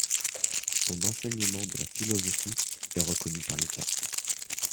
Son enseignement de la philosophie est reconnu par l'État.